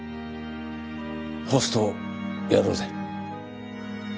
ホストやろうぜ。